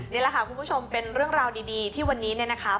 นี่แหละค่ะคุณผู้ชมเป็นเรื่องราวดีที่วันนี้เนี่ยนะคะ